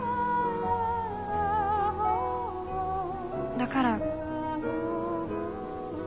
だから。